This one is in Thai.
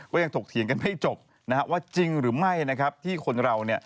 มันยังถกเถียงค่ะไม่จบว่าจริงหรือไม่ที่คนเรา